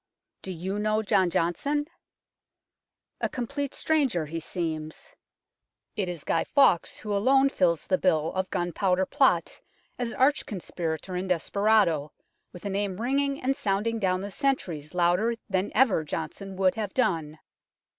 Do you know John Johnson ? A complete stranger he seems. It is Guy Fawkes who alone fills the bill of Gunpowder Plot as arch conspirator and desperado, with a name ringing and sounding down the centuries louder than ever Johnson would have done.